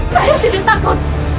saya tidak takut